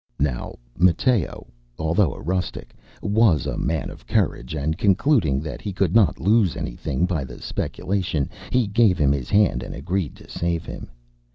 Now Matteo, although a rustic, was a man of courage, and concluding that he could not lose anything by the speculation, he gave him his hand and agreed to save him.